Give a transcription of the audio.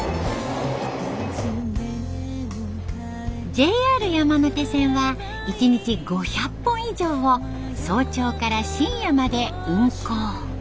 ＪＲ山手線は１日５００本以上を早朝から深夜まで運行。